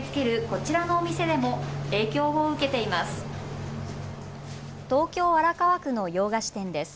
こちらのお店でも影響を受けています。